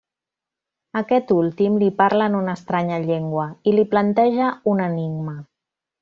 Aquest últim li parla en una estranya llengua, i li planteja un enigma.